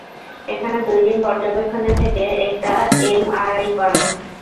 এখানে দুই দিন পর্যবেক্ষণে থেকে একটা এমআরআই করান।